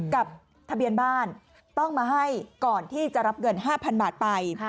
ทะเบียนบ้านต้องมาให้ก่อนที่จะรับเงิน๕๐๐๐บาทไป